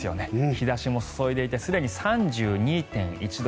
日差しも注いでいてすでに３２．１度。